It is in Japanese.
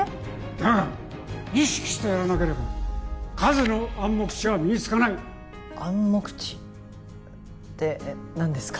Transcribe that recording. だが意識してやらなければ数の暗黙知は身につかない暗黙知？って何ですか？